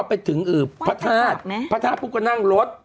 พระธาตุพวกเขานั่งรถ